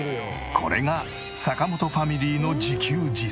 これが坂本ファミリーの自給自足。